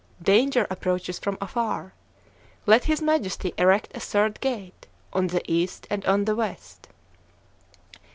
Danger approaches from afar. Let his Majesty erect a third gate, on the east and on the west."